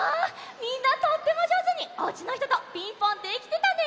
みんなとってもじょうずにおうちのひとと「ピンポン」できてたね！